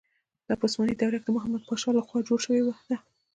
دا په عثماني دوره کې د محمد پاشا له خوا جوړه شوې ده.